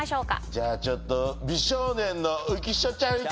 じゃあちょっと美少年の浮所ちゃんい